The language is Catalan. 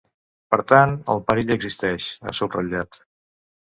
Per tant, ‘el perill existeix’, ha subratllat.